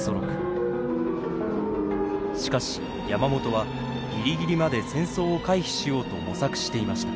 しかし山本はギリギリまで戦争を回避しようと模索していました。